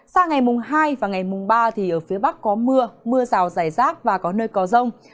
sang ngày mùng hai và ngày mùng ba thì ở phía bắc có mưa mưa rào rải rác và có nơi có rông